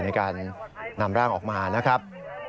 ในการนำร่างออกมานะครับ